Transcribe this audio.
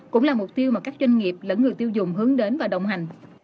cũng là mục tiêu mà các doanh nghiệp lẫn người tiêu dùng hướng đến và đồng hành